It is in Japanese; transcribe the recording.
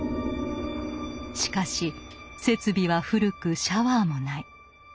しかし設備は古くシャワーもない。